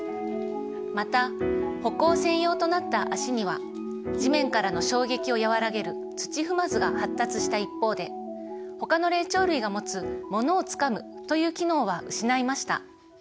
また歩行専用となったあしには地面からの衝撃を和らげる土踏まずが発達した一方でほかの霊長類がもつものをつかむという機能は失いました。